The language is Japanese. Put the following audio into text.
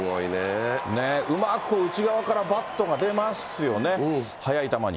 うまく内側からバットが出ますよね、速い球に。